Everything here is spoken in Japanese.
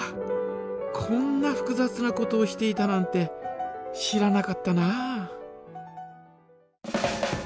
こんなふくざつなことをしていたなんて知らなかったなあ。